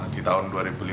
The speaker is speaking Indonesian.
di tahun dua ribu lima belas